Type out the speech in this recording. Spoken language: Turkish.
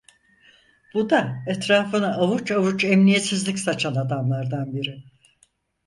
Bu da etrafına avuç avuç emniyetsizlik saçan adamlardan biri…